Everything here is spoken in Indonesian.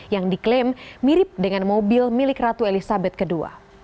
yang diklaim mirip dengan mobil milik ratu elizabeth ii